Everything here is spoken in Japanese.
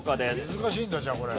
難しいんだじゃあこれ。